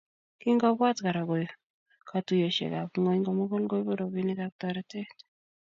Kingobwat Kora ko katuiyosiekab ngwony komugul koibu robinikab toretet